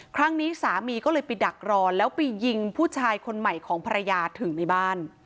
ครั้งนี้สามีก็เลยไปดักรอแล้วไปยิงผู้ชายคนใหม่ของภรรยาถึงในบ้าน